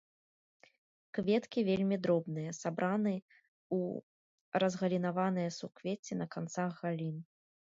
Кветкі вельмі дробныя, сабраны ў разгалінаваныя суквецці на канцах галін.